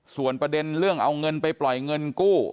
ส่วนประเด็นเรื่องเอาเงินไปปล่อยเงินกู้